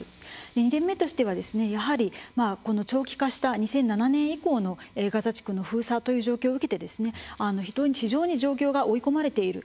２点目としてはやはり、長期化した２００７年以降のガザ地区の封鎖という状況を受けて非常に状況が追い込まれている。